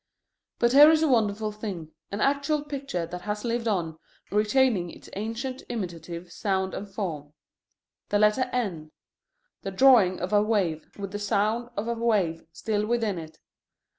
But here is a wonderful thing, an actual picture that has lived on, retaining its ancient imitative sound and form: the letter N, the drawing of a wave, with the sound of a wave still within it.